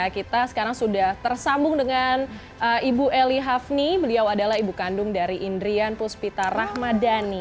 kita sekarang sudah tersambung dengan ibu eli hafni beliau adalah ibu kandung dari indrian puspita rahmadani